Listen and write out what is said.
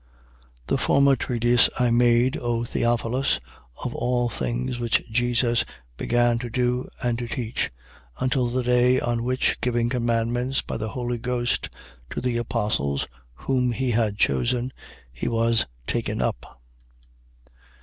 1:1. The former treatise I made, O Theophilus, of all things which Jesus began to do and to teach, 1:2. Until the day on which, giving commandments by the Holy Ghost to the apostles whom he had chosen, he was taken up.